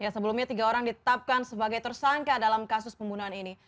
sebelumnya tiga orang ditetapkan sebagai tersangka dalam kasus pembunuhan ini